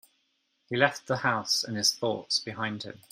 He left the house and his thoughts behind him.